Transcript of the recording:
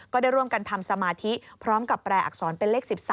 ก็ได้ร่วมกันทำสมาธิพร้อมกับแปลอักษรเป็นเลข๑๓